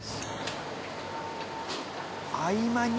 合間に？